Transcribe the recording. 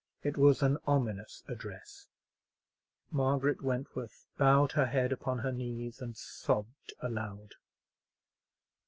It was an ominous address. Margaret Wentworth bowed her head upon her knees and sobbed aloud.